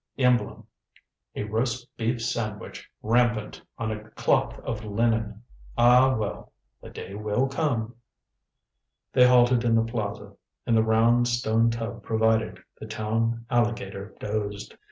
Emblem, a roast beef sandwich rampant, on a cloth of linen. Ah, well the day will come." They halted in the plaza. In the round stone tub provided, the town alligator dozed.